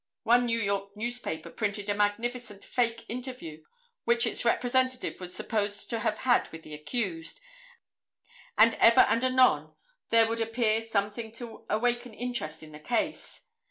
One New York newspaper printed a magnificent "fake" interview which its representative was supposed to have had with the accused, and ever and anon there would appear something to awaken interest in the case.